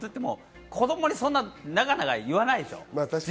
子供にそんな長々言わないでしょ？